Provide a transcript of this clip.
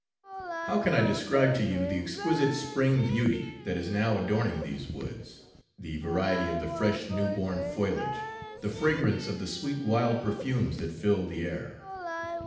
How can I describe to you the exquisite spring beauty that is now adorning these woods, the variety of the fresh new born foliage, the fragrance of the sweet wild perfumes that fill the air?